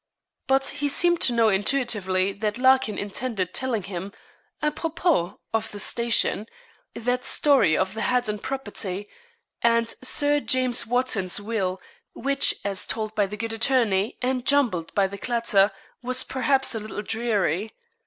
But he seemed to know intuitively that Larkin intended telling him, apropos of the station, that story of the Haddon property, and Sir James Wotton's will, which as told by the good attorney and jumbled by the clatter, was perhaps a little dreary.